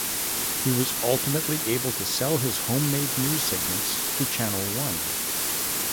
He was ultimately able to sell his home-made news segments to Channel One.